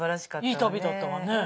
いい旅だったわね。